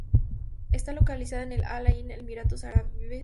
Está localizada en Al Ain, Emiratos Árabes Unidos.